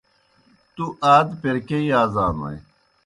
تُوْ آدپیْر کیْہ یازانوئے؟